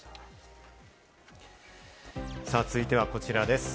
続いてはこちらです。